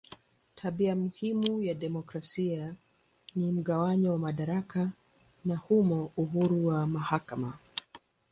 Tabia muhimu ya demokrasia ni mgawanyo wa madaraka na humo uhuru wa mahakama.